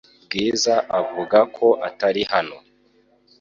Bwiza avuga ko atari hano .